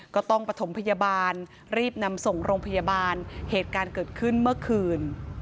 ก็ต้องประถมพยาบาลรีบนำส่งโรงพยาบาลเหตุการณ์เกิดขึ้นเมื่อคืน